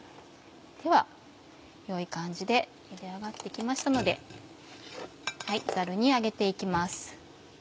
では良い感じでゆで上がって来ましたのでザルに上げて行きます。